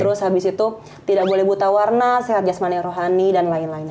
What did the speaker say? terus habis itu tidak boleh buta warna sehat jasmani rohani dan lain lain